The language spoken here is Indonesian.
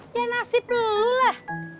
ya nasib lu lah